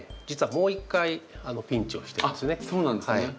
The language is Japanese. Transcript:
実はもう一回ピンチをしてるんですね。